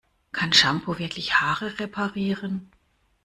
Kann Shampoo wirklich Haare reparieren?